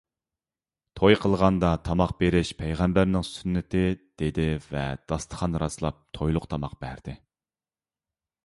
— توي قىلغاندا تاماق بېرىش پەيغەمبەرنىڭ سۈننىتى، — دېدى ۋە داستىخان راسلاپ تويلۇق تاماق بەردى.